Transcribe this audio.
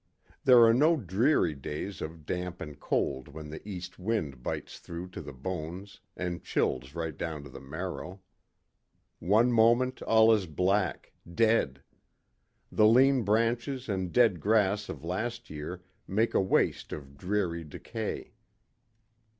There are no dreary days of damp and cold when the east wind bites through to the bones and chills right down to the marrow. One moment all is black, dead; the lean branches and dead grass of last year make a waste of dreary decay.